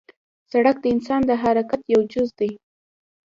سړک د انسان د حرکت یو جز دی.